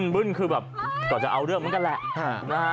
บึ้นคือแบบก่อนจะเอาเรื่องมันก็แหละนะฮะ